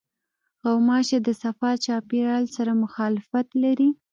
غوماشې د صفا چاپېریال سره مخالفت لري.